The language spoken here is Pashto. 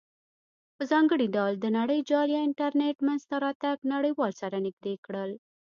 په ځانګړې ډول د نړیجال یا انټرنیټ مینځ ته راتګ نړیوال سره نزدې کړل.